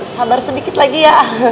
sabar sedikit lagi ya